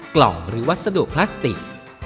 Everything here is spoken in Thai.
กล่องหรือวัสดุพลาสติก